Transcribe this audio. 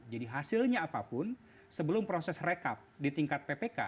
jadi hasilnya apapun sebelum proses rekap di tingkat ppk